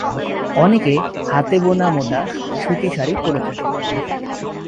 অনেকে হাতে বোনা মোটা সুতি শাড়ি পরে থাকেন।